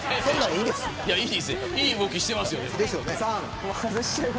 いや、いい動きしてますよ。